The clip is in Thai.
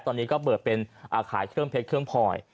ตอนนี้ก็เปิดเป็นขายเครื่องเพชรเครื่องพลอย